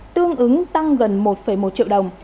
tương ứng tăng gần một một triệu đồng